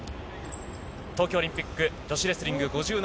東京オリンピック女子レスリング５７